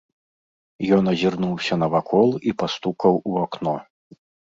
Ён азірнуўся навакол і пастукаў у акно.